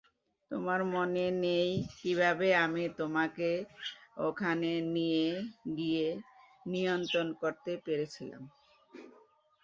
তোমার মনে নেই কিভাবে আমি তোমাকে ওখানে নিয়ে গিয়ে নিয়ন্ত্রণ করতে পেরেছিলাম?